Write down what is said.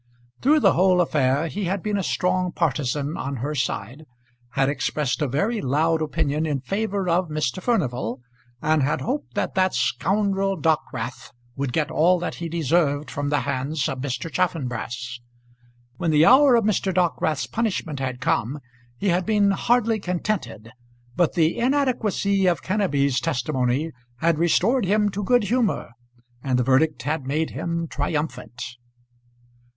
Through the whole affair he had been a strong partisan on her side, had expressed a very loud opinion in favour of Mr. Furnival, and had hoped that that scoundrel Dockwrath would get all that he deserved from the hands of Mr. Chaffanbrass. When the hour of Mr. Dockwrath's punishment had come he had been hardly contented, but the inadequacy of Kenneby's testimony had restored him to good humour, and the verdict had made him triumphant.